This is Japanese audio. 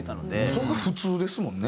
それが普通ですもんね。